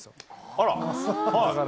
あら。